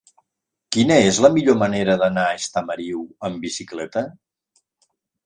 Quina és la millor manera d'anar a Estamariu amb bicicleta?